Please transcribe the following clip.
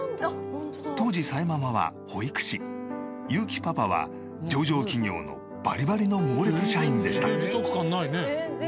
当時さえママは保育士ゆうきパパは上場企業のバリバリのモーレツ社員でした。